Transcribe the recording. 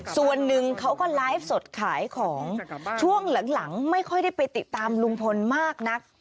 ส่วนหนึ่งเขาก็ไลฟ์สดขายของช่วงหลังไม่ค่อยได้ไปติดตามลุงพลมากนัก